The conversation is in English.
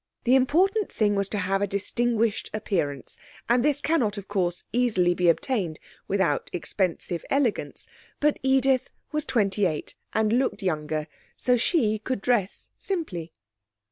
The important thing was to have a distinguished appearance, and this cannot, of course, easily be obtained without expensive elegance. But Edith was twenty eight, and looked younger, so she could dress simply.